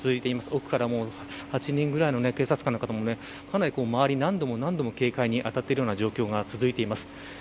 奥からも８人ぐらいの警察官の方もかなり周りを何度も何度も警戒に当たっている状況が続いています。